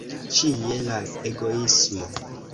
Ĉie, la egoismo!